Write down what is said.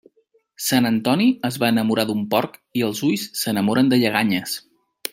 Sant Antoni es va enamorar d'un porc i els ulls s'enamoren de lleganyes.